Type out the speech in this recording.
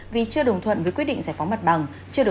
vì chưa đồng thuận với quyết định giải phóng mặt bằng